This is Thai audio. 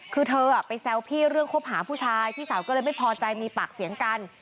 คือเธอไปแซวพี่เรื่องคบหาผู้ชายพี่สาวก็เลยไม่พอใจมีปากเสียงกัน